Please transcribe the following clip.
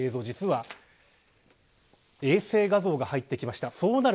実は衛星画像が入ってきました。